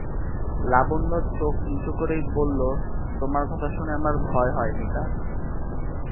লাবণ্য চোখ নিচু করেই বললে, তোমার কথা শুনে আমার ভয় হয় মিতা।